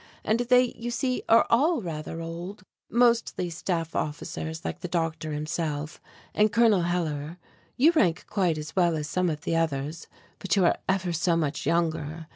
And they, you see, are all rather old, mostly staff officers like the doctor himself, and Col. Hellar. You rank quite as well as some of the others, but you are ever so much younger.